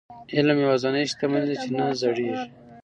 علم یوازینۍ شتمني ده چې نه زړيږي.